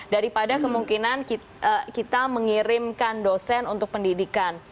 daripada kemungkinan kita mengirimkan dosen untuk pendidikan